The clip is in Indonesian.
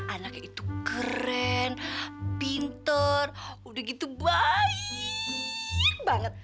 anaknya itu keren pinter udah gitu banyak banget